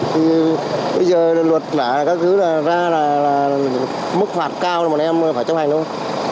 thế nhưng bây giờ luật là các thứ ra là mức phạt cao là bọn em phải chấp hành luôn